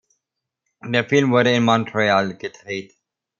Der Film wurde in Montreal gedreht.